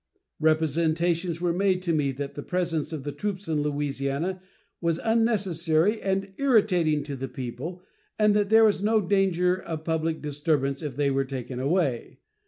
Representations were made to me that the presence of troops in Louisiana was unnecessary and irritating to the people, and that there was no danger of public disturbance if they were taken away.